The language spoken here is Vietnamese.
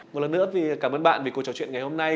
một lần nữa thì cảm ơn bạn vì câu trò chuyện ngày hôm nay